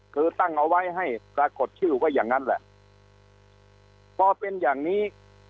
คือตั้งเอาไว้ให้ปรากฏชื่อไว้อย่างนั้นแหละพอเป็นอย่างนี้